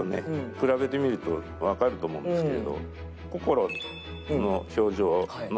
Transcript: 比べてみると分かると思うんですけれどこころの。